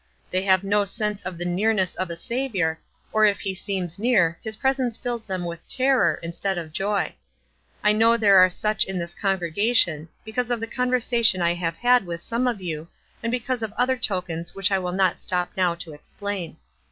They have no sense of the nearness of a Saviour, or if he seems near his presence fills them with terror instead of joy. I know there are such in this congregation, because of the conversation I have had with some of you, and because of other tokens which I will not stop now to explain.